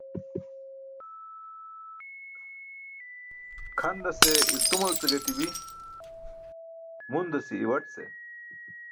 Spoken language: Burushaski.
Kʰandase i̇ltumal ce gaṭi̇bi̇, mundasi̇ iwaṭ ce.